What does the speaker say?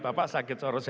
bapak sakit seharusnya